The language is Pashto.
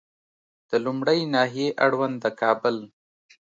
د لومړۍ ناحیې اړوند د کابل